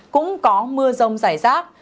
cũng có mưa rông dài rác